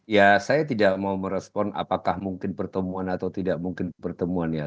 ya saya tidak mau merespon apakah mungkin pertemuan atau tidak mungkin pertemuan ya